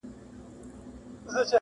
هیله پوره د مخلص هره سي چي,